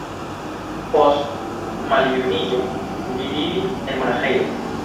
Post maljuniĝo li vivis en monaĥejo.